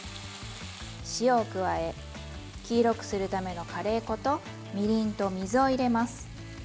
塩を加え黄色くするためのカレー粉とみりんと水を入れます。